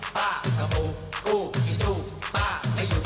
ป้านะปูปู้อีจุไปเที่ยว